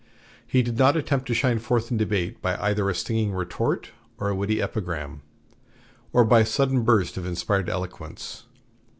He did not attempt to shine forth in debate by either a stinging retort or a witty epigram, or by a sudden burst of inspired eloquence.